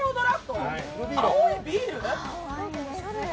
青いビール？